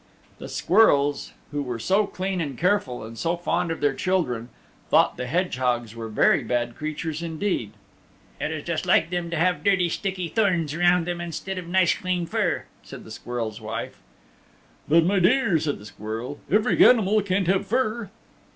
The squirrels who were so clean and careful, and so fond of their children, thought the hedgehogs were very bad creatures indeed. "It is just like them to have dirty sticky thorns around them instead of nice clean fur," said the squirrel's wife. "But, my dear," said the squirrel, "every animal can't have fur."